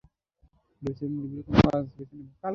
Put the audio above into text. ভেবেছিলাম নিরিবিলি কোনো কাজ বেছে নেবে।